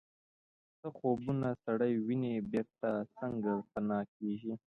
څه خوبونه سړی ویني بیرته څنګه پناه کیږي